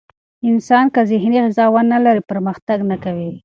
انسان که ذهني غذا ونه لري، پرمختګ نه کوي.